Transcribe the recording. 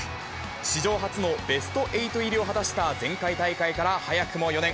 史上初のベスト８入りを果たした前回大会から早くも４年。